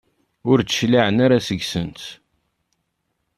Ur d-cliɛen ara seg-sent.